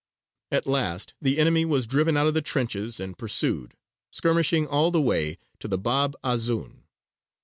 At last the enemy was driven out of the trenches and pursued, skirmishing all the way, to the Bab Azūn.